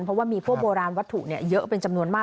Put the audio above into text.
เพราะว่ามีพวกโบราณวัตถุเยอะเป็นจำนวนมาก